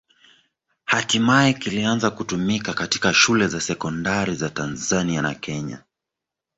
Hatimaye kilianza kutumika katika shule za sekondari za Tanzania na Kenya.